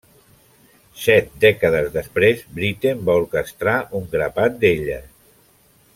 Set dècades després, Britten va orquestrar un grapat d'elles.